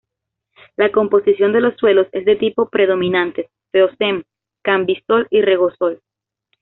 La composición de los suelos es de tipos predominantes feozem, cambisol y regosol.